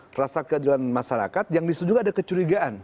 rasa keadilan masyarakat yang disetujui ada kecurigaan